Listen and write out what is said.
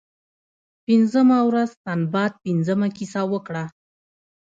پنځمه ورځ سنباد پنځمه کیسه وکړه.